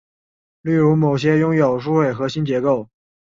例如某些拥有疏水核心结构。